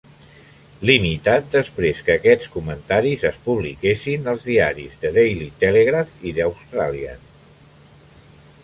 Limitat després que aquests comentaris es publiquessin als diaris "The Daily Telegraph" i "The Australian".